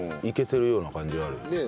いけてるような感じがあるよ。